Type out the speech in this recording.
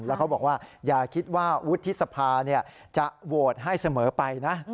แล้วเขาบอกว่าอย่าคิดว่าวุฒิสภาจะโหวตให้เสมอไปนะ